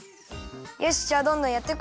よしじゃあどんどんやっていこう。